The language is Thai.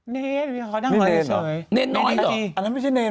เนนขอนั่งเลยเฉย